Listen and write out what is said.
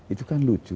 itu kan lucu